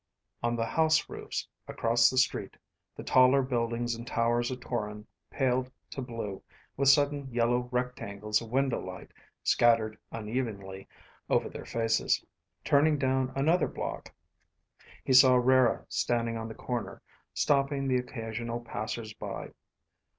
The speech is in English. Over the house roofs across the street, the taller buildings and towers of Toron paled to blue, with sudden yellow rectangles of window light scattered unevenly over their faces. Turning down another block, he saw Rara standing on the corner, stopping the occasional passers by.